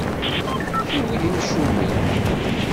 Kenwi d imcumen!